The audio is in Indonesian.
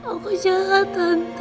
aku jahat tante